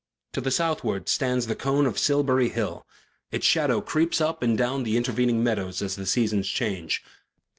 To the southward stands the cone of Silbury Hill; its shadow creeps up and down the intervening meadows as the seasons change.